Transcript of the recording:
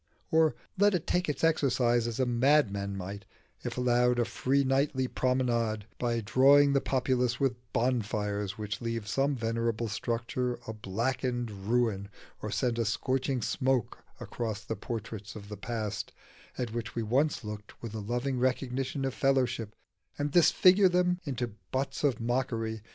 or let it take its exercise as a madman might, if allowed a free nightly promenade, by drawing the populace with bonfires which leave some venerable structure a blackened ruin or send a scorching smoke across the portraits of the past, at which we once looked with a loving recognition of fellowship, and disfigure them into butts of mockery?